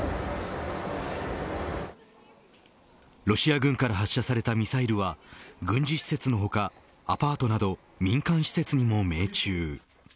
ロシア軍から発射されたミサイルは軍事施設の他、アパートなど民間施設にも命中。